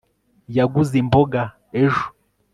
yaguze imboga ejo